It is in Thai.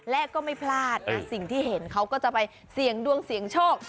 และก็ไม่พลาดนะสิ่งที่เห็นเขาก็จะไปเสี่ยงดวงเสี่ยงโชค